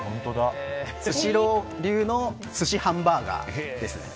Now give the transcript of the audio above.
スシロー流の寿司ハンバーガーですね。